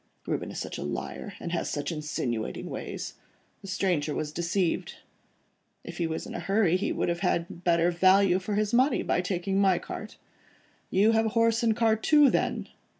Reuben is such a liar, and has such insinuating ways. The stranger was deceived. If he was in a hurry, he would have had better value for his money by taking my cart." "You have a horse and cart too, then?"